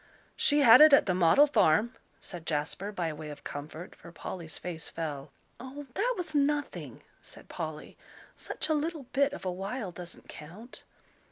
"She had it at the 'Model Farm,'" said Jasper, by way of comfort, for Polly's face fell. "Oh, that was nothing," said Polly, "such a little bit of a while doesn't count."